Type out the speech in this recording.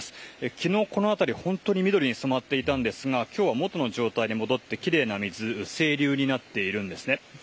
昨日、この辺り本当に緑に染まっていたんですが今日は元の状態に戻ってきれいな水清流になっているんですね。